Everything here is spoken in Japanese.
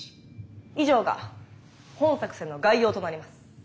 以上が本作戦の概要となります。